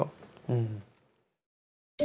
うん。